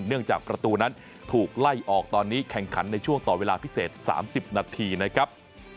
เนื่องจากประตูนั้นถูกไล่ออกตอนนี้แข่งขันในช่วงต่อเวลาพิเศษ๓๐นาทีนะครับ